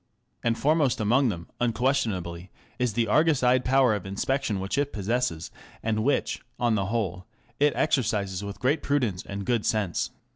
And foremost amongst them, unquestionably, is the Argus eyed power of inspection which it possesses, and which, on the whole, it exercises with great prudence and good sense.